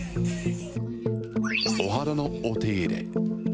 お肌のお手入れ。